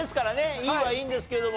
いいはいいんですけれども。